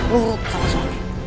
lurut sama suami